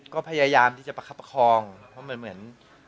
ก็พยายามที่จะประคับประคองเพราะมันเหมือน